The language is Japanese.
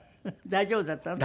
大丈夫だったの？